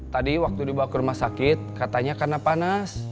tadi waktu dibawa ke rumah sakit katanya karena panas